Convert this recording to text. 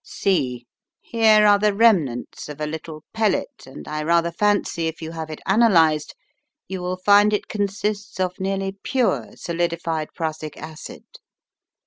See. Here are the remnants of a little pellet, and I rather fancy if you have it ana lyzed, you will find it consists of nearly pure solidi fied prussic acid.